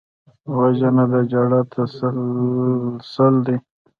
وژنه د ژړا تسلسل دی